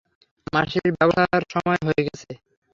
মাসির ব্যবসার সময় হয়ে গেছে।